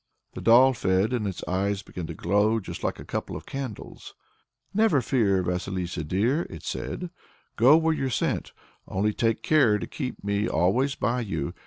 The doll fed, and its eyes began to glow just like a couple of candles. "Never fear, Vasilissa dear!" it said. "Go where you're sent. Only take care to keep me always by you.